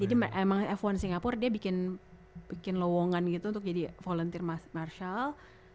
jadi emang f satu singapur dia bikin lowongan gitu untuk jadi volunteer marshall